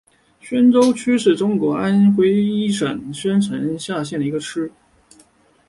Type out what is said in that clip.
宣州区是中国安徽省宣城市下辖的一个区。